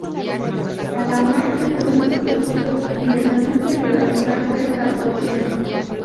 Alamar se reúne con los suyos y les anuncia que la venganza está próxima.